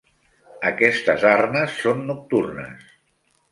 Aquestes arnes són nocturnes.